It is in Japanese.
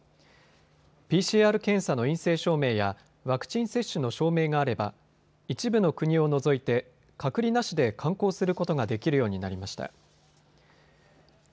ＰＣＲ検査の陰性証明やワクチン接種の証明があれば一部の国を除いて隔離なしで観光することができるようになりました。